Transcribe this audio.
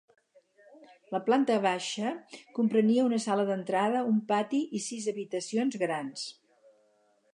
La planta baixa comprenia una sala d'entrada, un pati i sis habitacions grans.